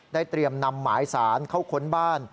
เตรียมนำหมายสารเข้าค้นบ้าน